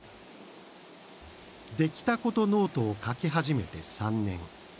できたことノートを書き始めて３年。